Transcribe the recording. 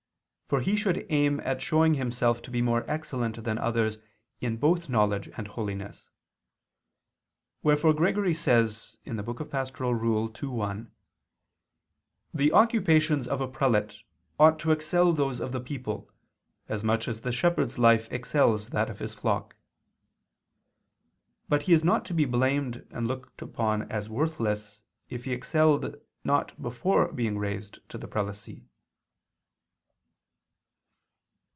For he should aim at showing himself to be more excellent than others in both knowledge and holiness. Wherefore Gregory says (Pastor. ii, 1) "the occupations of a prelate ought to excel those of the people, as much as the shepherd's life excels that of his flock." But he is not to be blamed and looked upon as worthless if he excelled not before being raised to the prelacy.